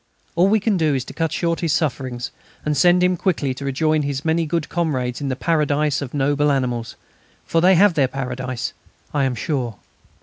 All we can do is to cut short his sufferings and send him quickly to rejoin his many good comrades in the paradise of noble animals. For they have their paradise, I am sure."